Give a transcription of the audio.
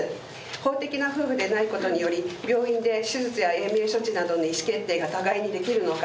法的な夫婦でないことにより病院で手術や延命処置などの意思決定が互いにできるのか。